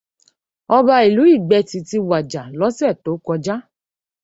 Ọba ìlú Ìgbẹ́tì ti wàjà lọ́sẹ̀ tó kọjá.